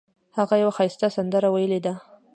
هغه یوه ښایسته سندره ویلې ده